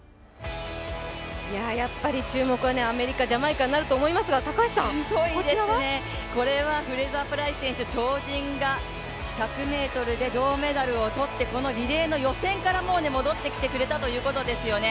やっぱり注目はアメリカ、ジャマイカになると思いますがこれはフレイザープライス選手、超人が１００ｍで銅メダルを取ってリレーの予選からもう戻ってきてくれたということですよね。